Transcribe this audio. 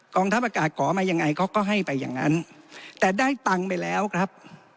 กองท่าประกาศก่อมายังไงเขาก็ให้ไปยังนั้นแต่ได้ตังค์ไปแล้วครับ